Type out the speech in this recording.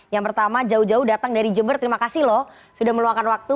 yang pertama jauh jauh datang dari jember terima kasih loh sudah meluangkan waktu